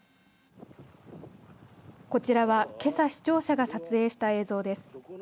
こちらは、けさ視聴者が撮影した映像です。